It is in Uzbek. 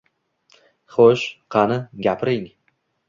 Xo’sh, qani, gapiring